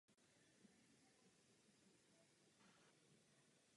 Toto číslo je pak použito k vyhledání konkrétního slova v seznamu slov.